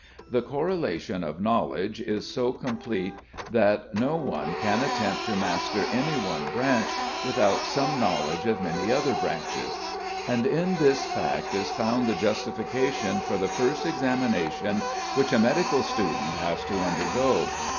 The correlation of knowledge is so complete that no one can attempt to master any one branch without some knowledge of many other branches; and in this fact is found the justification for the first examination which a medical student has to undergo.